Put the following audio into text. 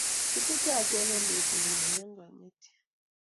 Kitete acheke betutnyo ya king'etye